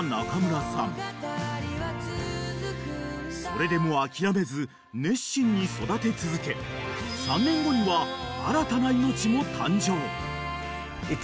［それでも諦めず熱心に育て続け３年後には新たな命も誕生］